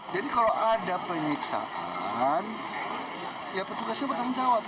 jadi kalau ada penyiksaan ya petugasnya bertanggung jawab